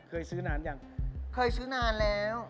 เคยซื้อนานแล้ว